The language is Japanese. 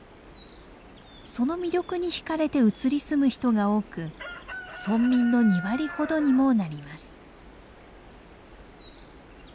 その魅力にひかれて移り住む人が多く村民の２割ほどにもなります。